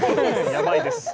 やばいです。